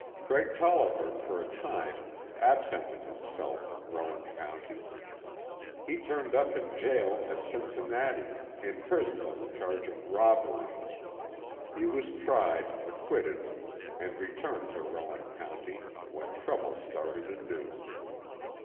Craig Tolliver for a time absented himself from Rowan County. He turned up in jail at Cincinnati, imprisoned on the charge of robbery. He was tried, acquitted and returned to Rowan County, when trouble started anew.